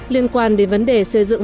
liên quan đến vấn đề xây dựng